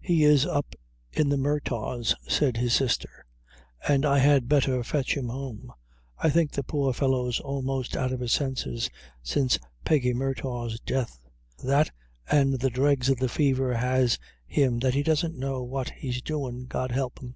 "He is up at the Murtaghs," said his sister, "an' I had better fetch him home; I think the poor fellow's almost out of his senses since Peggy Murtagh's death that an' the dregs of the fever has him that he doesn't know what he's doin', God help him."